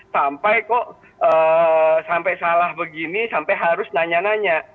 sampai kok sampai salah begini sampai harus nanya nanya